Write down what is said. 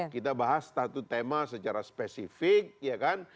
kita bahas satu tema secara spesifik ya kan